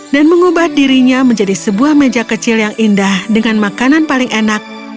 dan mengubat dirinya menjadi sebuah meja kecil yang indah dengan makanan paling enak